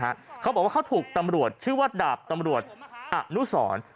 เขาบอกว่าเขาถูกตำรวจชื่อว่าดาบตำรวจอนุสร